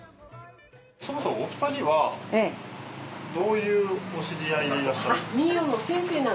そもそもお二人はどういうお知り合いでいらっしゃる？